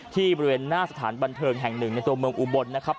บริเวณหน้าสถานบันเทิงแห่งหนึ่งในตัวเมืองอุบลนะครับ